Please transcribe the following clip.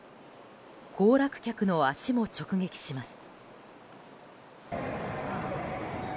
行楽客の足も直撃します。